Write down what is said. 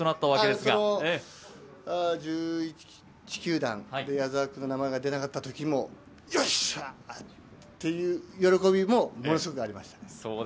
１１球団、矢澤君の名前が出なかったときも、喜びも、ものすごくありましたね。